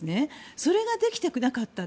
それができていなかったと。